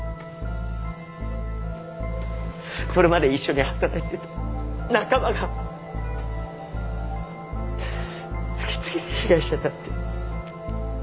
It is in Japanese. それまで一緒に働いていた仲間が次々に被害者になって！